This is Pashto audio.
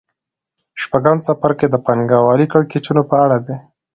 شپږم څپرکی د پانګوالۍ د کړکېچونو په اړه دی